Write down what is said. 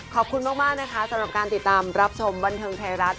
ขอบคุณมากนะคะสำหรับการติดตามรับชมบันเทิงไทยรัฐ